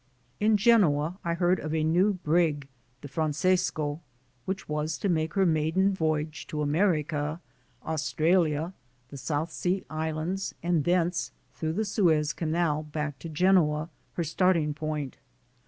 In Genoa I heard of a new brig, the Fran cesco, which was to make her maiden voyage to America, Australia, the South Sea Islands and thence through the Suez Canal back to Genoa, her starting point.